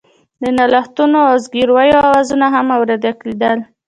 د نالښتونو او زګيرويو آوازونه هم اورېدل کېدل.